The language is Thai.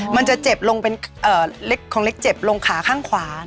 มันจะเจ็บลงเป็นของเล็กเจ็บลงขาข้างขวา